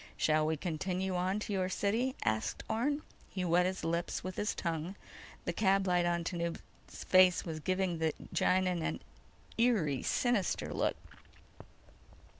"Shall we continue on to your city?" asked Orne. He wet his lips with his tongue. The cab light on Tanub's face was giving the Gienahn an eerie sinister look.